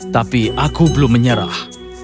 tapi aku belum menyerah